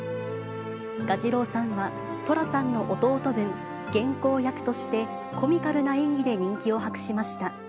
蛾次郎さんは、寅さんの弟分、源公役としてコミカルな演技で人気を博しました。